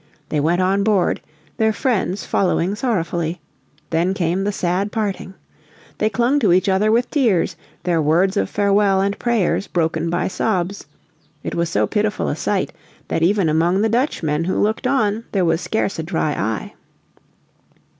They went on board, their friends following sorrowfully. Then came the sad parting. They clung to each other with tears, their words of farewell and prayers broken by sobs. It was so pitiful a sight that even among the Dutchmen who looked on there was scarce a dry eye.